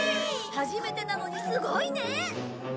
初めてなのにすごいね！